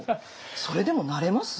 それでもなれます？